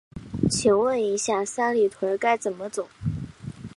想问一下，三里屯该怎么走？